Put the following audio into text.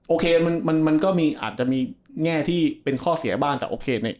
โอเคมันมันก็มีอาจจะมีแง่ที่เป็นข้อเสียบ้างแต่โอเคใน